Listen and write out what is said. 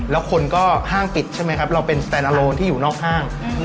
แล้วคนก็ห้างปิดใช่ไหมครับเราเป็นสแตนอาโลนที่อยู่นอกห้าง